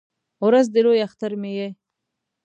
ورځ د لوی اختر مې یې